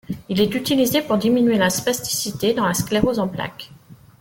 Il est utilisé pour diminuer la spasticité dans la sclérose en plaques.